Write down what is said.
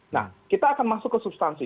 nah kita akan masuk ke substansi